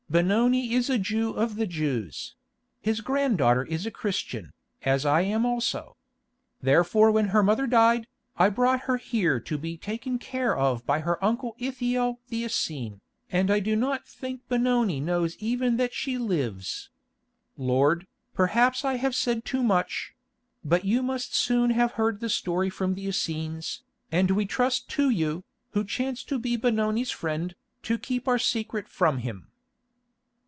Benoni is a Jew of the Jews; his granddaughter is a Christian, as I am also. Therefore when her mother died, I brought her here to be taken care of by her uncle Ithiel the Essene, and I do not think Benoni knows even that she lives. Lord, perhaps I have said too much; but you must soon have heard the story from the Essenes, and we trust to you, who chance to be Benoni's friend, to keep our secret from him."